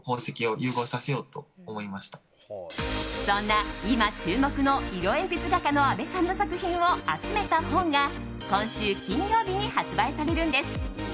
そんな今注目の色鉛筆画家の安部さんの作品を集めた本が今週金曜日に発売されるんです。